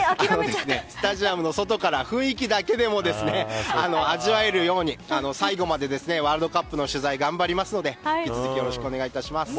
スタジアムの外から雰囲気だけでも味わえるように最後までワールドカップの取材頑張りますので引き続き、よろしくお願いします。